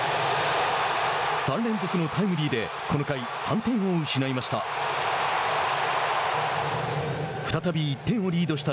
３連続のタイムリーでこの回、３点を失いました。